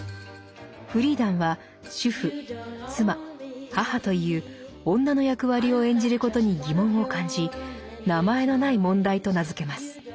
フリーダンは主婦・妻・母という「女の役割」を演じることに疑問を感じ「名前のない問題」と名付けます。